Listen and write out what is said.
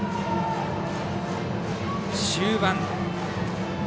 終盤。